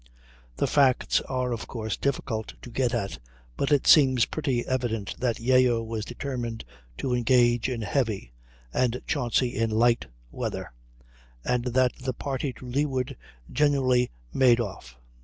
The facts are of course difficult to get at, but it seems pretty evident that Yeo was determined to engage in heavy, and Chauncy in light, weather; and that the party to leeward generally made off.